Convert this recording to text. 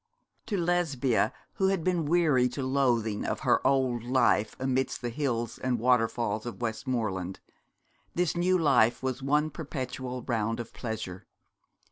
To Lesbia, who had been weary to loathing of her old life amidst the hills and waterfalls of Westmoreland, this new life was one perpetual round of pleasure.